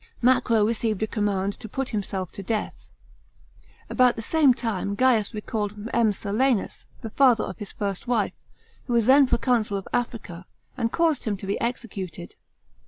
Macro received a command to put himself to death. About the same time Gaius recalled M. Silanus, the father of his first wife, who was then proconsul of Africa, and caused him to be executed.